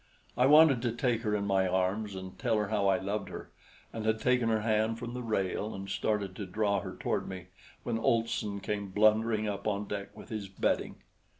I wanted to take her in my arms and tell her how I loved her, and had taken her hand from the rail and started to draw her toward me when Olson came blundering up on deck with his bedding.